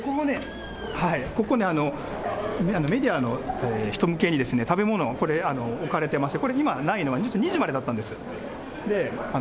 ここね、メディアの人向けに食べ物、置かれてまして、これ、今ないのは、ただなん？